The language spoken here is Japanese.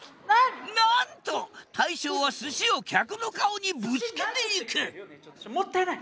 なんと大将は寿司を客の顔にぶつけていくもったいない！